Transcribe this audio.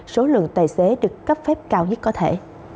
số lượng tài xế được cấp phép cao nhất có thể